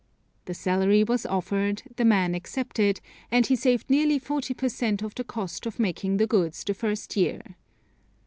The salary was offered, the man accepted, and he saved nearly forty per cent. of the cost of making the goods the first year.